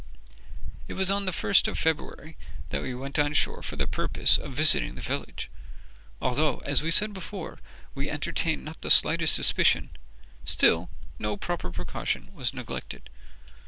It was on the first of February that we went on shore for the purpose of visiting the village. Although, as said before, we entertained not the slightest suspicion, still no proper precaution was neglected.